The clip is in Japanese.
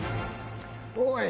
⁉おい。